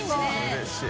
うれしい。